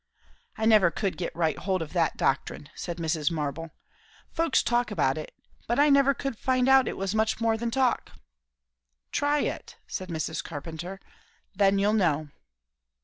"I never could get right hold of that doctrine," said Mrs. Marble. "Folks talk about it, but I never could find out it was much more than talk." "Try it," said Mrs. Carpenter. "Then you'll know."